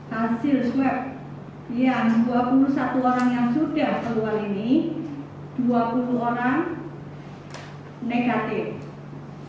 hasil swab yang dua puluh satu orang yang sudah keluar ini dua puluh orang negatif